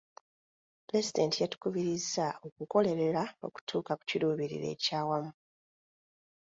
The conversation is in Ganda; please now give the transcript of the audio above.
Pulezidenti yatukubirizza okukolerera okutuuka ku kiruubirirwa eky'awamu.